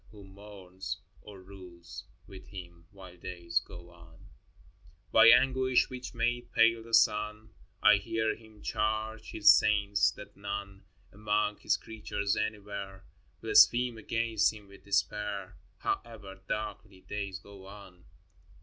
Who mourns Or rules with Him, while days go on ? XIX. By anguish which made pale the sun, I hear Him charge His saints that none Among His creatures anywhere Blaspheme against Him with despair, However darkly days go on.